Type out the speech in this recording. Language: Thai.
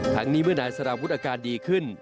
ทั้งนี้เมื่อนายสารวุฒิอาการดีขึ้น